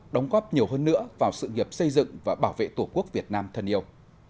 đóng góp nhiều hơn nữa vào sự nghiệp xây dựng và bảo vệ tổ quốc việt nam thân yêu